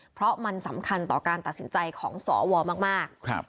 เพราะมันสำคัญต่อการตัดสินใจของสวมาก